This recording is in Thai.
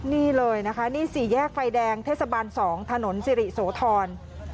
นี่เลยนะคะนี่สี่แยกไฟแดงเทศบาล๒ถนนสิริโสธร